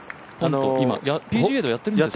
ＰＧＡでやってるんですか。